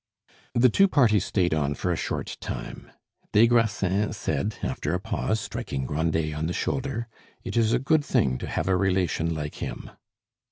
The two parties stayed on for a short time. Des Grassins said, after a pause, striking Grandet on the shoulder, "It is a good thing to have a relation like him."